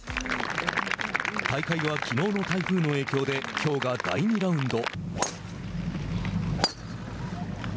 大会は、きのうの台風の影響できょうが第２ラウンド。